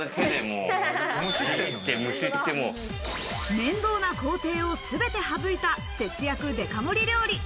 面倒な工程をすべて省いた節約デカ盛り料理。